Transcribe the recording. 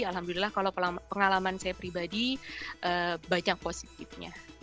alhamdulillah kalau pengalaman saya pribadi banyak positifnya